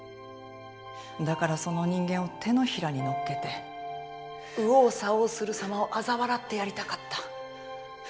だからその人間を手のひらに乗っけて右往左往する様をあざ笑ってやりたかった。